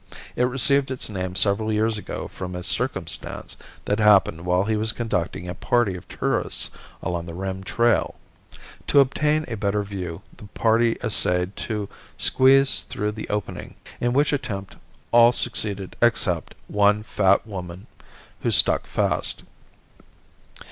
It received its name several years ago from a circumstance that happened while he was conducting a party of tourists along the rim trail. To obtain a better view the party essayed to squeeze through the opening, in which attempt all succeeded except one fat women who stuck fast.